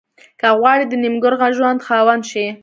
که غواړئ د نېکمرغه ژوند خاوند شئ.